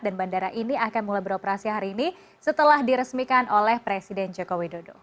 dan bandara ini akan mulai beroperasi hari ini setelah diresmikan oleh presiden joko widodo